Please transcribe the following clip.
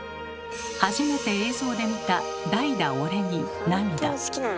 初めて映像で見た「代打、オレ」に涙。